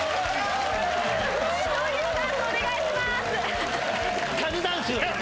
勝利のダンスお願いします。